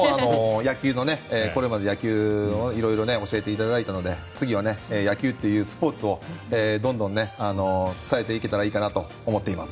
これまで野球からいろいろ教えていただいたので次は野球というスポーツをどんどん伝えていけたらいいかなと思っています。